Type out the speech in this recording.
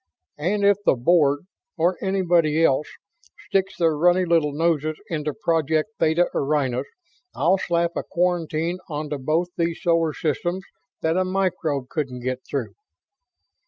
And if the Board or anybody else sticks their runny little noses into Project Theta Orionis I'll slap a quarantine onto both these solar systems that a microbe couldn't get through!"